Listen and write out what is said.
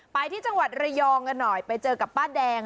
ไปที่จังหวัดระยองกันหน่อยไปเจอกับป้าแดง